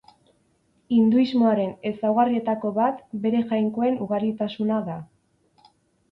Hinduismoaren ezaugarrietako bat bere jainkoen ugaritasuna da.